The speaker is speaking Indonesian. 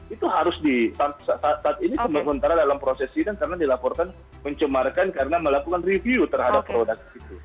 itu harus di saat ini sementara dalam proses sidang karena dilaporkan mencemarkan karena melakukan review terhadap produk itu